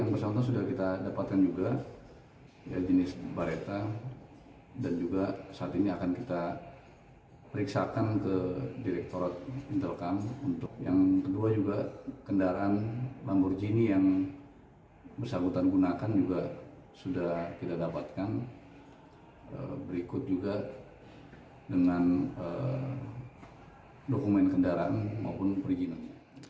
berikut juga dengan dokumen kendaraan maupun perizinan